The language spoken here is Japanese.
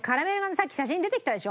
さっき写真出てきたでしょ？